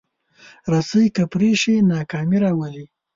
رسۍ که پرې شي، ناکامي راولي.